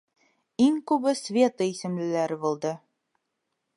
Иң күбе Света исемлеләре булды.